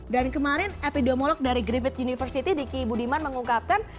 dan kemarin epidemiolog dari griffith university diki budiman mengungkapkan